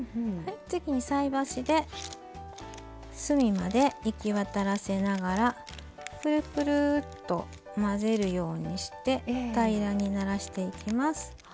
次に菜箸で隅まで行き渡らせながらくるくるっと混ぜるようにして平らにならしていきます。